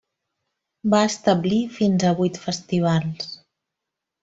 Va establir fins a vuit festivals.